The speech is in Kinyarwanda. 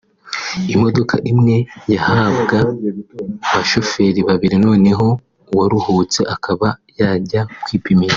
imodoka imwe yahabwa abashoferi babiri noneho uwaruhutse akaba yajya kwipimisha”